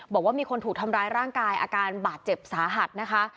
บอกว่ามีคนถูกทำร้ายร่างกายอาการบาดเจ็บสาหัสนะคะ